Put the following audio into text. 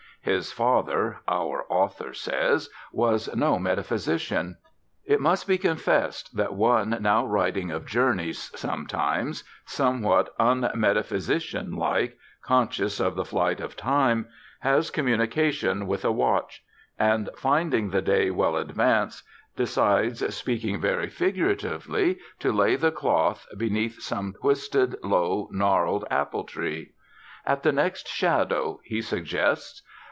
His father, our author says, was no metaphysician. It must be confessed that one now writing of journeys, sometimes, somewhat unmetaphysician like, conscious of the flight of time, has communication with a watch; and, finding the day well advanced, decides, speaking very figuratively, to lay the cloth, beneath some twisted, low, gnarled apple tree. "At the next shadow," he suggests.